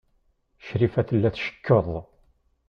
Crifa tella tcekkeḍ.